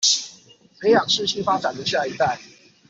培養適性發展的下一代